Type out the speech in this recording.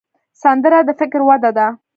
سندره د فکر وده ده